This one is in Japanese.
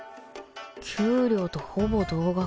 給料とほぼ同額